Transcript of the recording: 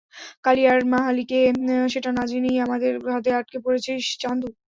কালি আর মাহালি কে, সেটা না জেনেই আমাদের ফাঁদে আটকা পড়েছিস, চান্দু।